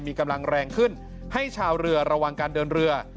มีกำลังแรงขึ้นให้ชาวเรือระวังการเดินเรือ